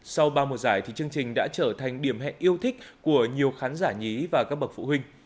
sau ba mùa giải thì chương trình đã trở thành điểm hẹn yêu thích của nhiều khán giả nhí và các bậc phụ huynh